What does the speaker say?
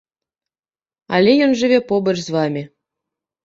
Але ён жыве побач з вамі.